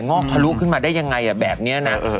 อกทะลุขึ้นมาได้ยังไงแบบนี้นะ